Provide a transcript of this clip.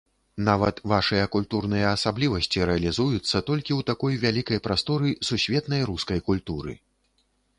Нават вашыя культурныя асаблівасці рэалізуюцца толькі ў такой вялікай прасторы сусветнай рускай культуры.